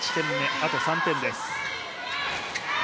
あと３点です。